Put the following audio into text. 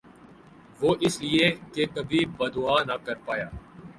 وُہ اس لئے کہ کبھی بد دُعا نہ کر پایا